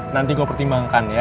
nanti gue pertimbangkan ya